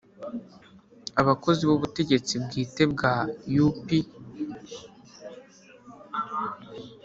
abakozi b ubutegetsi bwite bwa U P